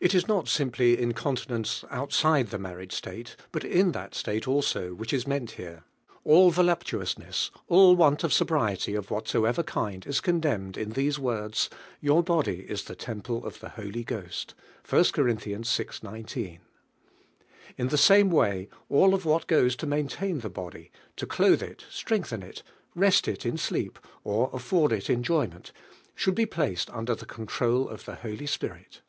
It is not simpjj incontinence outside the married state, but in that stale also, which is meant here; all voluptuousness, all want of so briety of whatsoever kind is condemned DIVINE HEAXJNG. 59 in these words: "Yo ur body is the temple of the Hely Ghost" (i. Cor. vi. 19). In the same way, all of what goes to maintain the body — to clothe it, strengthen it, rest it in sleep, or afford it enjoyment — should be placed under the control of the Holy Spirit.